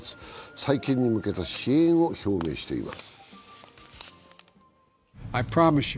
再建に向けた支援を表明しています。